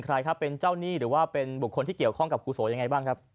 ใครครับเป็นเจ้าหนี้หรือว่าเป็นบุคคลที่เกี่ยวข้องกับครูโสยังไงบ้างครับ